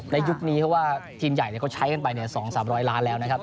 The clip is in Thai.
ยุคนี้เพราะว่าทีมใหญ่เขาใช้กันไป๒๓๐๐ล้านแล้วนะครับ